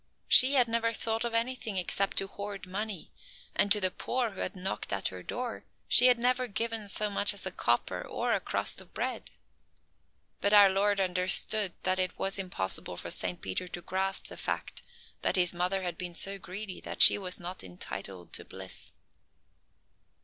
She had never thought of anything except to hoard money, and to the poor who had knocked at her door she had never given so much as a copper or a crust of bread. But our Lord understood that it was impossible for Saint Peter to grasp the fact that his mother had been so greedy that she was not entitled to bliss.